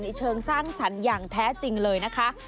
เชิงสร้างสรรค์อย่างแท้จริงเลยนะคะ